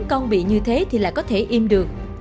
con bị như thế thì lại có thể im được